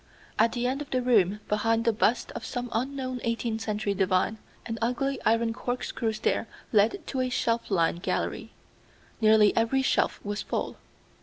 At the end of the room, behind the bust of some unknown eighteenth century divine, an ugly iron corkscrew stair led to a shelf lined gallery. Nearly every shelf was full.